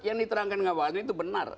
yang diterangkan ngabalit itu benar